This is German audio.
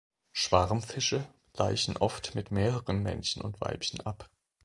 Schwarmfische laichen oft mit mehreren Männchen und Weibchen ab.